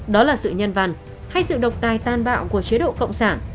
đó là sự nhân văn hay sự độc tài tan bạo của chế độ cộng sản